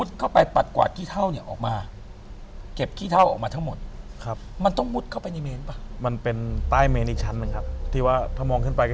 ศพที่เข้ามาเนี่ยเยอะไหมครับ